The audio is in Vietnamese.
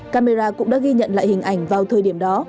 camera cũng đã ghi nhận lại hình ảnh vào thời điểm đó